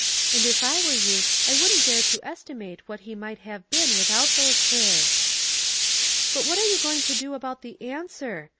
" And if I were you I wouldn't dare to estimate what he might have been without those prayers." " But what are you going to do about the answer?